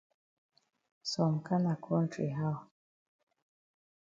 Some kana kontry how?